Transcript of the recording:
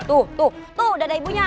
tuh dada ibunya